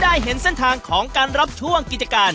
ได้เห็นเส้นทางของการรับช่วงกิจการ